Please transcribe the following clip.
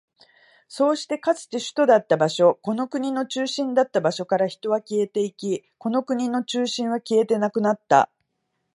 そうして、かつて首都だった場所、この国の中心だった場所から人は消えていき、この国の中心は消えてなくなった。